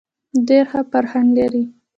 ډېر ښه فرهنګ لري.